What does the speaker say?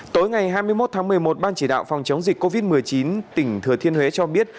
tối ngày hai mươi một tháng một mươi một ban chỉ đạo phòng chống dịch covid một mươi chín tỉnh thừa thiên huế cho biết